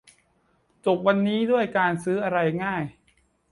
จบวันนี้ด้วยการซื้ออะไรง่าย